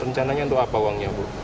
rencananya untuk apa uangnya bu